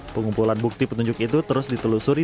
pengumpulan bukti petunjuk itu terus ditelusuri